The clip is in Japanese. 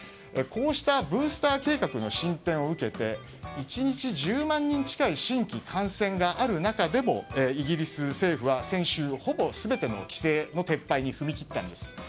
こうしたブースター計画の進展を受けて１日１０万人近い新規感染がある中でもイギリス政府は先週ほぼ全ての規制の撤廃に踏み切ったんです。